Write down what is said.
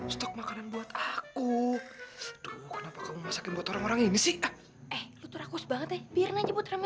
sampai jumpa di video selanjutnya